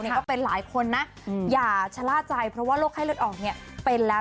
ก็เป็นหลายคนนะอย่าชะล่าใจเพราะว่าโรคไข้เลือดออกเนี่ยเป็นแล้ว